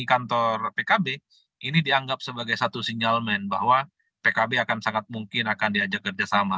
di kantor pkb ini dianggap sebagai satu sinyalmen bahwa pkb akan sangat mungkin akan diajak kerjasama